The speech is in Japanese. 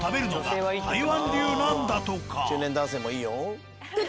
中年男性もいいよ。